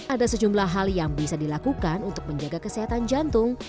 ada sejumlah hal yang bisa dilakukan untuk menjaga kesehatan jantung